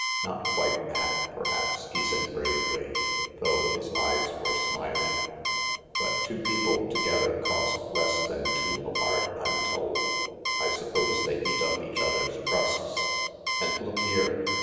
"Not quite that, perhaps," he said gravely, though his eyes were smiling, " but two people together cost less than two apart I'm told. I suppose they eat up each other's crusts. And look here.